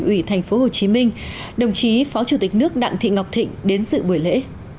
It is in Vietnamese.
ủy tp hcm đồng chí phó chủ tịch nước đặng thị ngọc thịnh đến sự buổi lễ